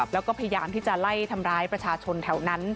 แล้วก็พยายามที่จะไล่ทำร้ายประชาชนแถวนั้น